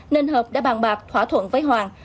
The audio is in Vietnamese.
nên hợp đã bàn bạc thỏa thuận với hoàng